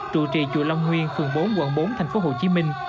trụ trì chùa long nguyên phường bốn quận bốn tp hcm